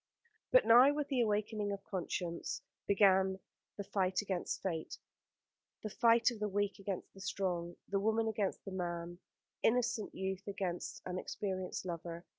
But now, with the awakening of conscience, began the fight against Fate, the fight of the weak against the strong, the woman against the man, innocent youth against an experienced lover.